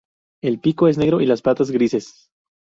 El pico es negro y las patas grises.